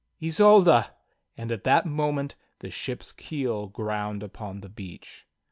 "Isolda!" And at that moment the ship's keel ground upon the beach.